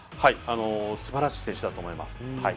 すばらしい選手だと思います。